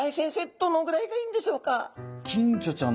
どのぐらいがいいんでしょうか？